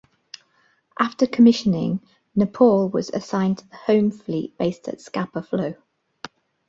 After commissioning, "Nepal" was assigned to the Home Fleet, based at Scapa Flow.